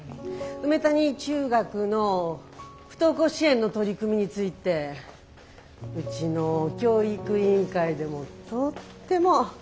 梅谷中学の不登校支援の取り組みについてうちの教育委員会でもとっても注目してるんですのよ。